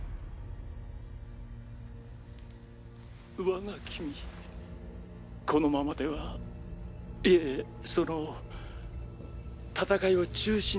わが君∈このままではいえその戦いを中止